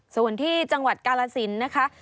ส่วนที่จังหวัดกาลสินนะคะ